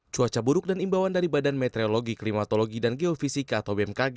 cuaca buruk dan imbauan dari badan meteorologi klimatologi dan geofisika atau bmkg